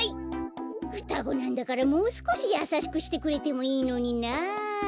ふたごなんだからもうすこしやさしくしてくれてもいいのにな。